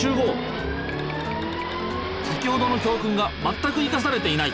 先ほどの教訓がまったく生かされていない。